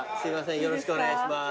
よろしくお願いします。